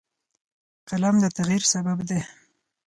قلم د تغیر سبب دی